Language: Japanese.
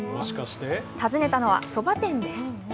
訪ねたのはそば店です。